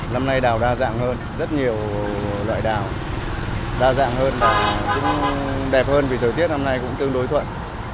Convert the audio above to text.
năm nay đào đa dạng hơn rất nhiều loại đào đa dạng hơn và cũng đẹp hơn vì thời tiết năm nay cũng tương đối thuận